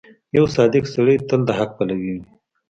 • یو صادق سړی تل د حق پلوی وي.